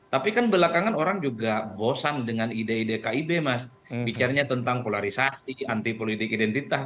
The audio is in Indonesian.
tapi kan belakangan orang juga bosan dengan ide ide kib mas bicaranya tentang polarisasi anti politik identitas